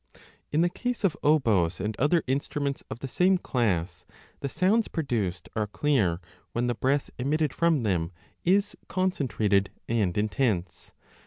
In the case of oboes and other instruments of the same class, the sounds produced are clear when the breath emitted ID from them is concentrated and intense.